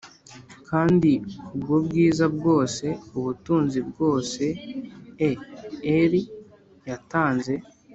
kandi ubwo bwiza bwose, ubutunzi bwose e'er yatanze,